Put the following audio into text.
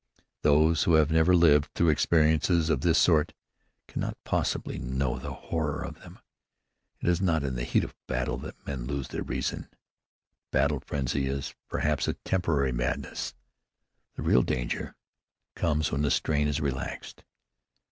Those who have never lived through experiences of this sort cannot possibly know the horror of them. It is not in the heat of battle that men lose their reason. Battle frenzy is, perhaps, a temporary madness. The real danger comes when the strain is relaxed.